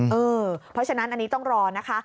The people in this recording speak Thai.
เพราะฉะนั้นอันนี้ต้องรอนะคะ